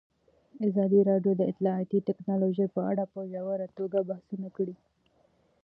ازادي راډیو د اطلاعاتی تکنالوژي په اړه په ژوره توګه بحثونه کړي.